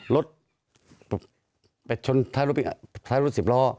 รถไปชนท้ายรถสิบล้อ